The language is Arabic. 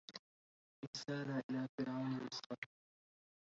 رسالة إلى فرعون مصر